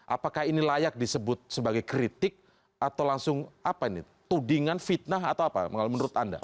apakah ini layak disebut sebagai kritik atau langsung apa ini tudingan fitnah atau apa menurut anda